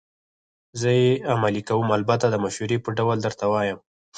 زه یې عملي کوم، البته د مشورې په ډول درته وایم.